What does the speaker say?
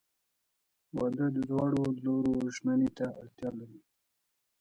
• واده د دواړو لورو ژمنې ته اړتیا لري.